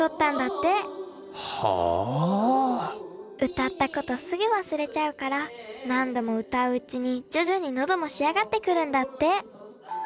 歌ったことすぐ忘れちゃうから何度も歌ううちに徐々に喉も仕上がってくるんだって。